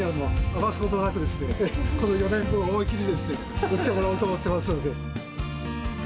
はなやさんには余すところなく、この４年分を思いっきり、打ってもらおうと思ってますので。